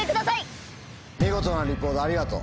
見事なリポートありがとう。